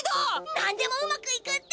なんでもうまくいくって！